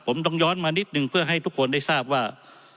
ผมต้องย้อนมานิดนึงเพื่อให้ทุกคนได้ทราบว่า